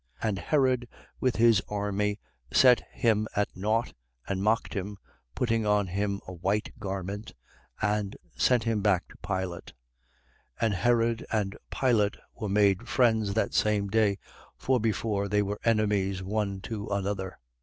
23:11. And Herod with his army set him at nought and mocked him, putting on him a white garment: and sent him back to Pilate. 23:12. And Herod and Pilate were made friends, that same day: for before they were enemies one to another.